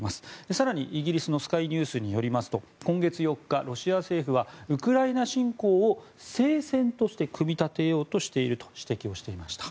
更にイギリスのスカイニュースによりますと今月４日、ロシア政府はウクライナ侵攻を聖戦として組み立てようとしていると指摘していました。